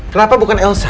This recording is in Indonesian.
kenapa bukan elsa